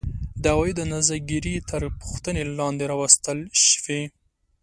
د عوایدو اندازه ګیري تر پوښتنې لاندې راوستل شوې